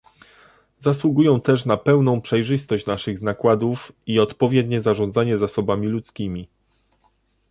Zasługują też na pełną przejrzystość naszych nakładów i odpowiednie zarządzanie zasobami ludzkimi